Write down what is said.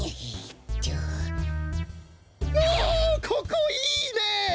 ここいいね！